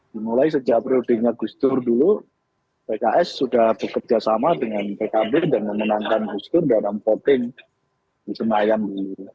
mulai sejak periode gustur dulu pks sudah bekerja sama dengan pkb dan memenangkan gustur dalam voting di senayan dulu